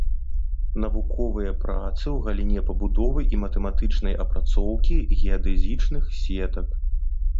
Навуковыя працы ў галіне пабудовы і матэматычнай апрацоўкі геадэзічных сетак.